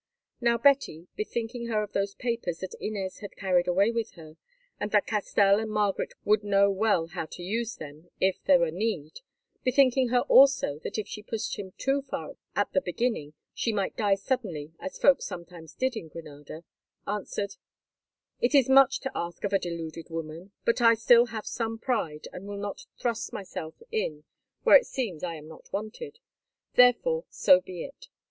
Now Betty, bethinking her of those papers that Inez had carried away with her, and that Castell and Margaret would know well how to use them if there were need, bethinking her also that if she pushed him too far at the beginning she might die suddenly as folk sometimes did in Granada, answered: "It is much to ask of a deluded woman, but I still have some pride, and will not thrust myself in where it seems I am not wanted. Therefore, so be it.